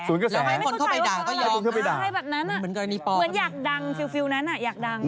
สวนกระแสให้คนเข้าไปด่าก็ยอมนะใช่แบบนั้นนะคืออยากดังฟิวนั้นอยากดัง